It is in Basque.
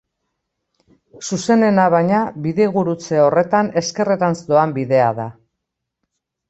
Zuzenena, baina, bidegurutze horretan, ezkerrerantz doan bidea da.